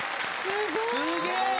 すげえ！